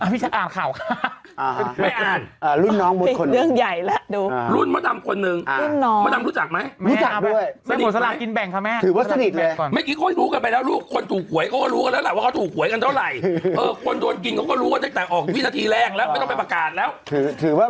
พี่ฉันอ่านข่าวค่ะ